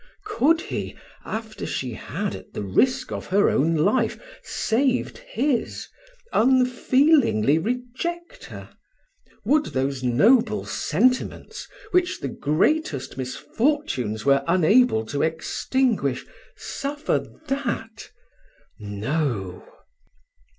"Could he, after she had, at the risk of her own life, saved his, unfeelingly reject her? Would those noble sentiments, which the greatest misfortunes were unable to extinguish, suffer that? No."